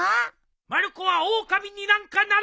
まる子はオオカミになんかならん！